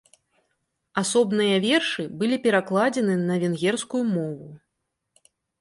Асобныя вершы былі перакладзены на венгерскую мову.